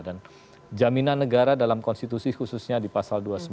dan jaminan negara dalam konstitusi khususnya di pasal dua puluh sembilan